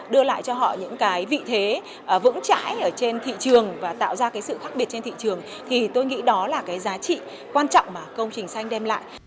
đưa lại cho họ những cái vị thế vững chãi ở trên thị trường và tạo ra cái sự khác biệt trên thị trường thì tôi nghĩ đó là cái giá trị quan trọng mà công trình xanh đem lại